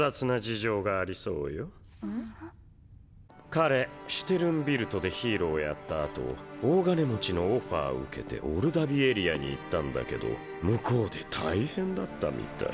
彼シュテルンビルトでヒーローやったあと大金持ちのオファー受けてオルダビエリアに行ったんだけど向こうで大変だったみたい。